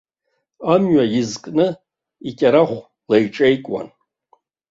Амҩа изкны икьарахә леиҿеикуан.